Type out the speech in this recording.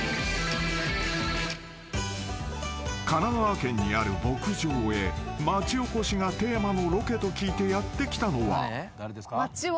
［神奈川県にある牧場へ町おこしがテーマのロケと聞いてやって来たのは］